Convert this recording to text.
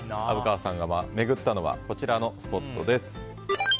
虻川さんが巡ったのはこちらのスポットです。